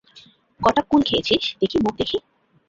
কটা কুল খেয়েছিস, দেখি মুখ দেখি?